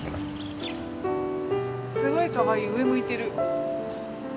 すごいかわいい上向いてる。